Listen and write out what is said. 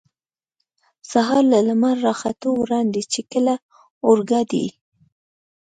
سهار له لمر را ختو وړاندې، چې کله اورګاډی.